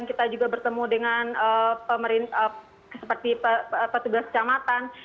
kita juga bertemu dengan seperti petugas kecamatan